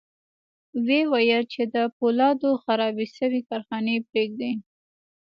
ويې ويل چې د پولادو خرابې شوې کارخانې پرېږدي.